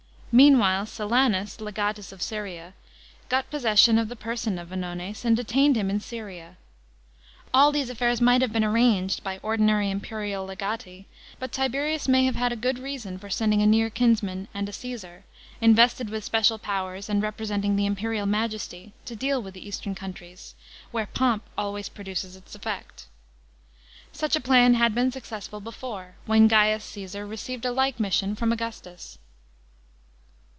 Meanwhile Silanus, legatus of Syria, got possession of the person of Vonones and detained him in Syria. All these affairs might have been arranged by ordinary imperial legati ; but Tiberius may have had good reason for sending a near kinsman and a Caesar, invested with special powers and representing the imperial majesty, to deal with Eastern countries, where pomp always produces its effect. Such a plan had been successful before, when Gaius Csesar received a like mission from Augustus.